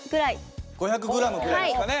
５００ｇぐらいですかね？